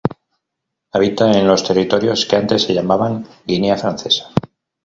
Habita en los territorios que antes se llamaban Guinea Francesa.